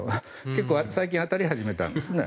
結構最近当たり始めたんですね。